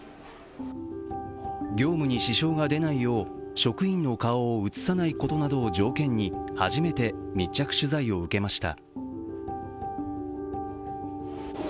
業務に支障が出ないよう職員の顔を映さないことなどを条件に初めて密着取材を受けました。